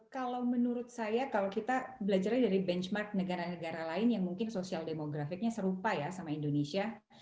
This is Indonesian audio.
kalau menurut saya kalau kita belajarnya dari benchmark negara negara lain yang mungkin sosial demografiknya serupa ya sama indonesia